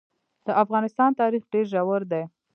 د افغانستان تاریخ ډېر ژور دی.